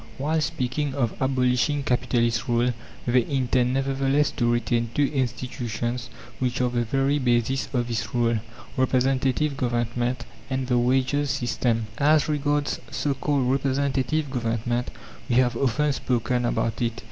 While speaking of abolishing capitalist rule, they intend nevertheless to retain two institutions which are the very basis of this rule Representative Government and the Wages' System. As regards so called representative government, we have often spoken about it.